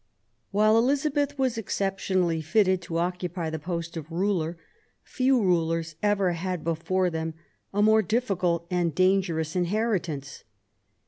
While Elizabeth was exceptionally fitted to occupy the post of ruler^ few rulers ever had before them a more difficult and dangerous inheritance.